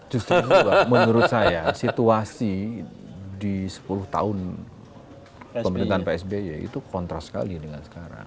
justru menurut saya situasi di sepuluh tahun pemerintahan pak sby itu kontras sekali dengan sekarang